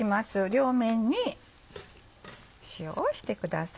両面に塩をしてください。